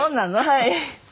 はい。